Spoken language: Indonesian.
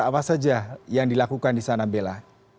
apa saja yang dilakukan di sana bella